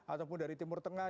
ataupun dari timur tengah